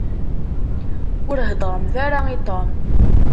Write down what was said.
Ur heddṛemt ara i Tom.